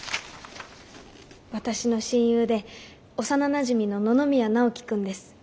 私の親友で幼なじみの野々宮ナオキ君です。